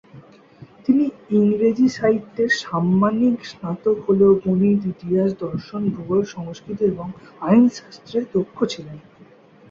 তিনি ইংরেজি সাহিত্যের সাম্মানিক স্নাতক হলেও গণিত, ইতিহাস, দর্শন, ভূগোল, সংস্কৃত এবং আইনশাস্ত্রে দক্ষ ছিলেন।